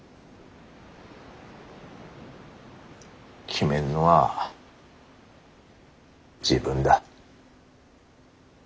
決めんのは自分だ。